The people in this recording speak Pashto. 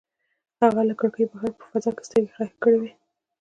هغه له کړکۍ بهر په فضا کې سترګې ښخې کړې وې.